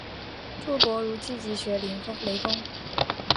朱伯儒积极学雷锋。